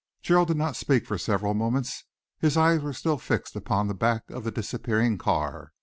Gerald did not speak for several moments. His eyes were still fixed upon the back of the disappearing car.